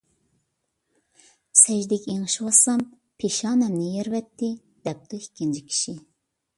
_ سەجدىگە ئېڭىشىۋاتسام، پېشانەمنى يېرىۋەتتى، _ دەپتۇ ئىككىنچى كىشى.